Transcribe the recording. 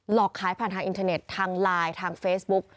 อกขายผ่านทางอินเทอร์เน็ตทางไลน์ทางเฟซบุ๊ก